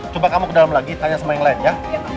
coba kamu ke dalam lagi tanya sama yang lain ya